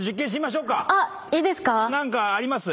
何かあります？